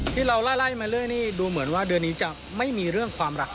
ที่เราไล่มาเรื่อยนี่ดูเหมือนว่าเดือนนี้จะไม่มีเรื่องความรัก